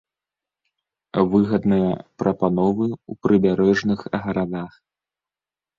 Выгадныя прапановы ў прыбярэжных гарадах.